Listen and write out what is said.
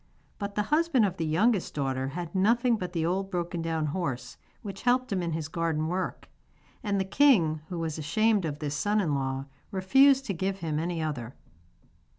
But the husband of the youngest daughter had nothing but the old broken down horse which helped him in his garden work; and the king, who was ashamed of this son in law, refused to give him any other.